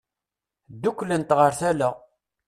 Dduklent ɣer tala.